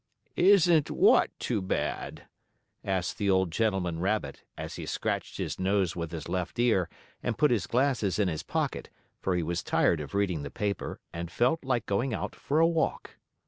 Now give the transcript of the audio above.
"Isn't what too bad?" asked the old gentleman rabbit, as he scratched his nose with his left ear, and put his glasses in his pocket, for he was tired of reading the paper, and felt like going out for a walk.